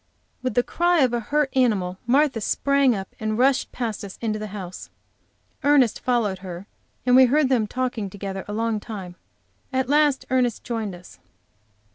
With the cry of a hurt animal, Martha sprang up and rushed past us into the house. Ernest followed her, and we heard them talking together a long time. At last Ernest joined us.